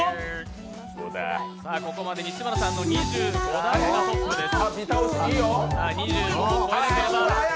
ここまで西村さんの２５段がトップです。